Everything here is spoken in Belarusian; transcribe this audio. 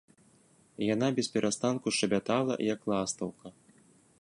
Яна бесперастанку шчабятала, як ластаўка.